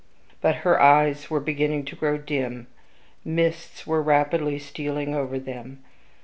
But her eyes were beginning to grow dim; mists were rapidly stealing over them.